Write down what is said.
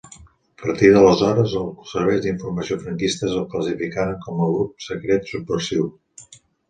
A partir d'aleshores, els serveis d'informació franquistes el classificaren com a grup secret subversiu.